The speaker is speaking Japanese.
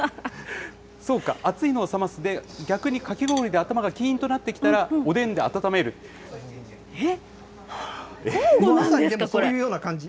そうか、熱いのを冷ますで、逆にかき氷で頭がきーんとなってきたら、そういうような感じ。